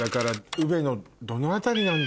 宇部のどの辺りなんだろう？